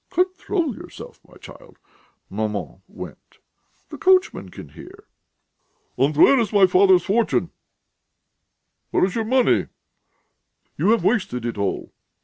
"Control yourself, my child," maman wept; "the coachman can hear!" "And where is my father's fortune? Where is your money? You have wasted it all.